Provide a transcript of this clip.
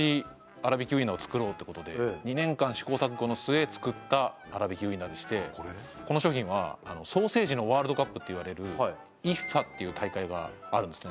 あらびきウインナーを作ろうってことで２年間試行錯誤の末作ったあらびきウインナーでしてこの商品はソーセージのワールドカップっていわれるＩＦＦＡっていう大会があるんですね